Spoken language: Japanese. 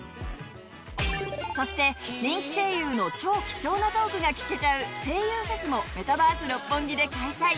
そして人気声優の超貴重なトークが聞けちゃう声優フェスもメタバース六本木で開催！